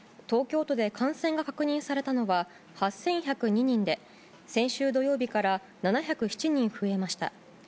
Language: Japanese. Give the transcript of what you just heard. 東京都で感染が確認されたのは、８１０２人で、先週土曜日から７０７人増えました。